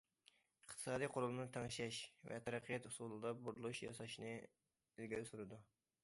ئىقتىسادىي قۇرۇلمىنى تەڭشەش ۋە تەرەققىيات ئۇسۇلىدا بۇرۇلۇش ياساشنى ئىلگىرى سۈرىدۇ.